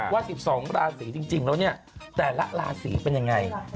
ว่า๑๒ราศีจริงแล้วเนี่ยแต่ละราศีเป็นยังไง